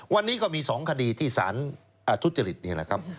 วันนี้ก็มี๒คดีที่สารทุจริตนี่แหละครับ